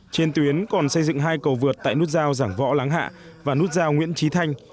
trên tuyến còn xây dựng hai cầu vượt tại nút giao giảng võ láng hạ và nút giao nguyễn trí thanh